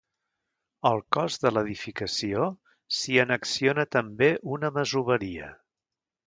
Al cos de l'edificació s'hi annexiona també una masoveria.